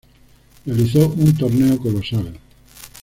Realizó un torneo colosal.